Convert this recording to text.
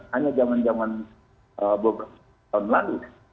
hanya zaman zaman beberapa tahun lalu